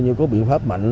nhưng có biện pháp mạnh